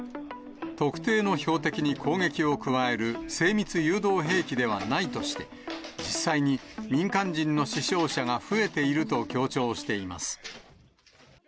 特定の標的に攻撃を加える精密誘導兵器ではないとして、実際に民間人の死傷者が増えていると強調しています。